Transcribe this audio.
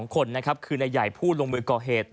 ๒คนนะครับคือนายใหญ่ผู้ลงมือก่อเหตุ